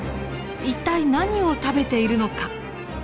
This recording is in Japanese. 一体何を食べているのか。